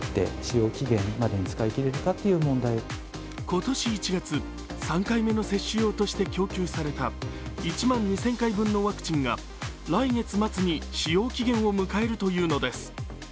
今年１月、３回目の接種用として供給された１万２０００回分のワクチンが来月末に使用期限を迎えるというのです。